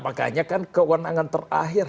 makanya kan kewenangan terakhir